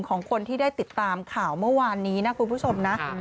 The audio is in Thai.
ของคนที่ได้ติดตามข่าวเมื่อวานนี้นะคุณผู้ชมนะ